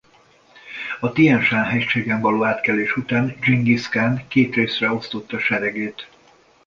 A Tien-san hegységen való átkelés után Dzsingisz kán két részre osztotta seregét.